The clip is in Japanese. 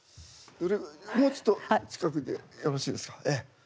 もうちょっと近くでよろしいですか。